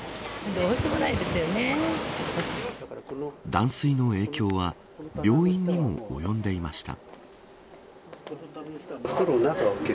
断水の影響は病院にも及んでいました。